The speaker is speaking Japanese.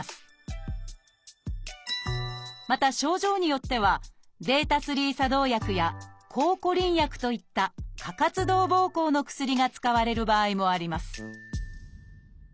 また症状によってはβ作動薬や抗コリン薬といった過活動ぼうこうの薬が使われる場合もあります